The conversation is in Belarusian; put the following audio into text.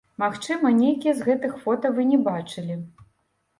Магчыма, нейкія з гэтых фота вы не бачылі.